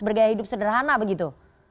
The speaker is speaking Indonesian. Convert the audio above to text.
bergaya hidup sederhana begitu